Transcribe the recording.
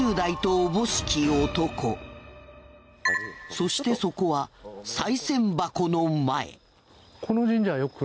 そしてそこはさい銭箱の前。